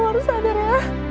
kamu harus sadar ya